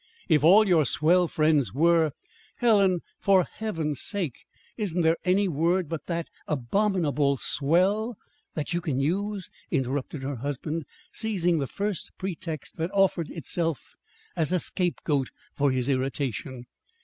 "If all your swell friends were " "Helen, for Heaven's sake, isn't there any word but that abominable 'swell' that you can use?" interrupted her husband, seizing the first pretext that offered itself as a scapegoat for his irritation.